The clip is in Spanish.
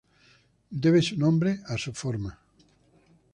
Debe su nombre a su forma.